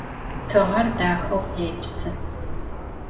Tığer daxeu khêpsı.